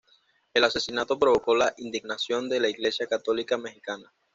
El asesinato provocó la indignación de la iglesia católica mexicana.